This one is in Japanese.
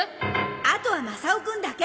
あとはマサオくんだけ。